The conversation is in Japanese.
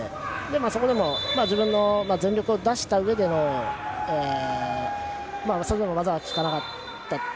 それでも自分の全力を出した上でのそれでも技が効かなかった。